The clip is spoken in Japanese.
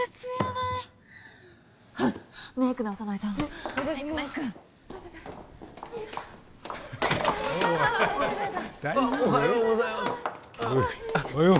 わっおはようございますほい